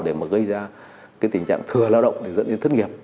để mà gây ra cái tình trạng thừa lao động để dẫn đến thất nghiệp